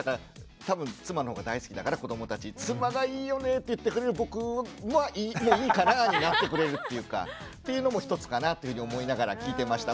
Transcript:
多分妻のほうが大好きだから子どもたち妻がいいよねって言ってくれる僕はもういいかなになってくれるっていうか。というのも１つかなっていうふうに思いながら聞いてました。